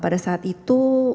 pada saat itu